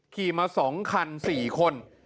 ขี่มา๒คัน๔คน